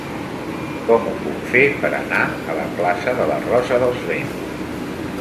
Com ho puc fer per anar a la plaça de la Rosa dels Vents?